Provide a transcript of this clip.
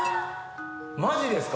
マジですか？